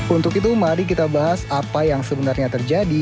untuk itu mari kita bahas apa yang sebenarnya terjadi